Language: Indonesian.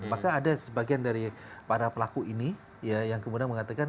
maka ada sebagian dari para pelaku ini yang kemudian mengatakan